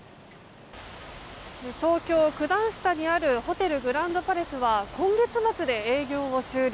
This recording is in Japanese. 東京・九段下にあるホテルグランドパレスは今月末で営業を終了。